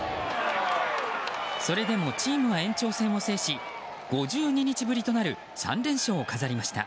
それでもチームは延長戦を制し５２日ぶりとなる３連勝を飾りました。